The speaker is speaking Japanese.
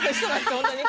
本当に。